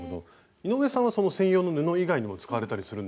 井上さんはその専用の布以外にも使われたりするんですか？